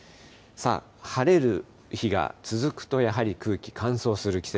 晴れる日が続くと、やはり空気乾燥する季節。